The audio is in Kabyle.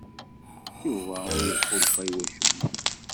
Yuba ur iḥulfa i wacemma.